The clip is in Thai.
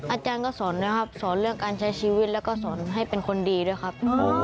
อาจารย์ก็สอนด้วยครับสอนเรื่องการใช้ชีวิตแล้วก็สอนให้เป็นคนดีด้วยครับ